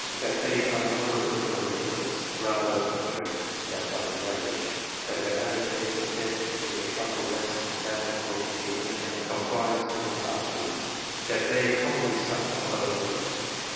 That they are a moderately prolific race, rather under, than above the average. That their average age at death is a trifle less than that of the eminent men comprised in my other groups. That they commonly suffer from over work.